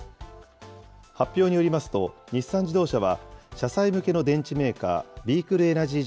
発表によりますと、日産自動車は、車載向けの電池メーカー、ビークルエナジー